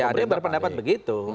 ada yang berpendapat begitu